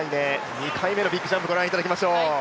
２回目のビッグジャンプご覧いただきましょう。